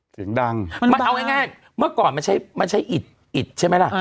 เสียงดังมันเอาง่ายเมื่อก่อนมันใช้อิดอิดใช่ไหมล่ะ